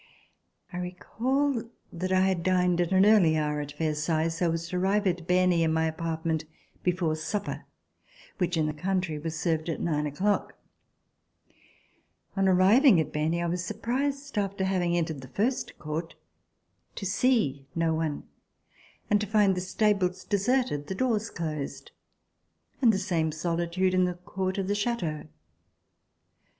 C80] FALL OF THE BASTILLE I recall that I had dined at an early hour at Versailles so as to arrive at Berny in my apartment before supper, which in the country' was served at nine o'clock. On arriving at Berny, I was surprised, after having entered the first court, to see no one and to find the stables deserted, the doors closed and the same solitude in the court of the chateau.